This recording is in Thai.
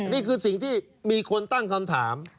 นี่คือสิ่งที่มีคนตั้งคำถาม